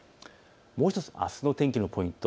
もう１つ、あすの天気のポイント。